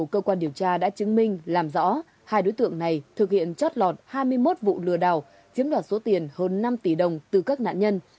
cơ quan điều tra đã chứng minh làm rõ hai đối tượng này thực hiện chót lọt hai mươi một vụ lừa đảo chiếm đoạt số tiền hơn năm tỷ đồng từ các nạn nhân